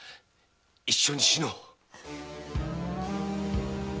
一緒に死のう！